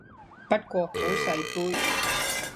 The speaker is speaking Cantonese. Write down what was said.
不過好細杯